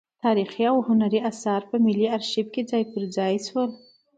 تاریخي او هنري اثار په ملي ارشیف کې ځای پر ځای شول.